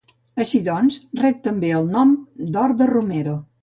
Així doncs, rep també el nom d'Hort de Romero.